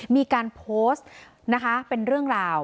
มีการโพสต์นะคะเป็นเรื่องราว